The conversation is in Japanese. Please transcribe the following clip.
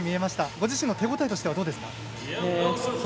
ご自身の手応えとしてはどうですか？